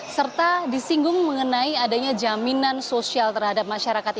serta disinggung mengenai adanya jaminan sosial terhadap masyarakat